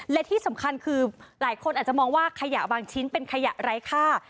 และที่สำคัญคือหลายคนอาจจะมองว่าขยะบางชิ้นเป็นขยะไร้ค่า